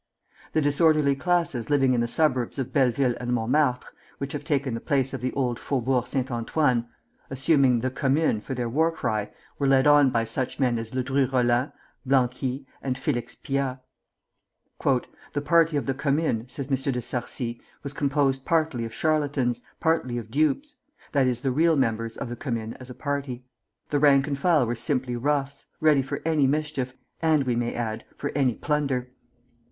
The disorderly classes living in the suburbs of Belleville and Montmartre (which have taken the place of the old Faubourg Saint Antoine), assuming "The Commune" for their war cry, were led on by such men as Ledru Rollin, Blanqui, and Félix Pyat. "The party of the Commune," says M. de Sarcey, "was composed partly of charlatans, partly of dupes, that is, the real members of the Commune as a party. The rank and file were simply roughs, ready for any mischief, and, we may add, for any plunder."